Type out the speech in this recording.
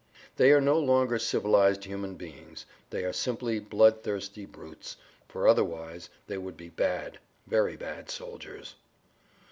They are no longer civilized human beings, they are simply bloodthirsty brutes, for otherwise they would be bad, very bad soldiers.